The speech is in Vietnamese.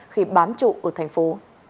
khi bám trụ ở thành phố